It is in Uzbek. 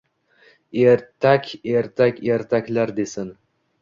— Ertak, ertak, ertaklar!—desin!